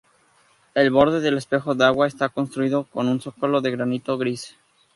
El borde del espejo de agua está construido con un zócalo de granito gris.